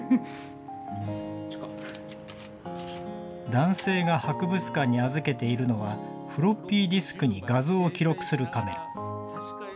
男性が博物館に預けているのは、フロッピーディスクに画像を記録するカメラ。